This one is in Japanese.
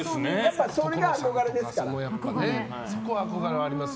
それが憧れですから。